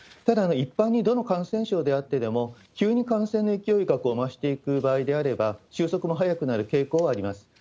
ただ、一般にどの感染症であっても急に感染の勢いが増していく場合であれば、収束も早くなる傾向はあります。